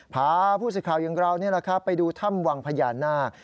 พาผู้สิทธิ์ข่าวอย่างเรานี่แหละครับไปดูถ้ำวังพญานาค